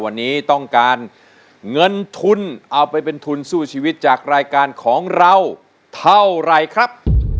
วันนี้ต้องการเงินทุนเอาไปเป็นทุนสู้ชีวิตจากรายการของเราเท่าไหร่ครับ